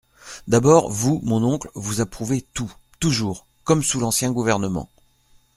D’abord, vous, mon oncle, vous approuvez tout, toujours… comme sous l’ancien gouvernement…